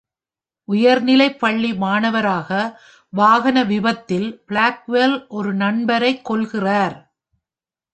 உயர்நிலைப் பள்ளி மாணவராக, வாகன விபத்தில் பிளாக்வெல் ஒரு நண்பரைக் கொல்கிறார்.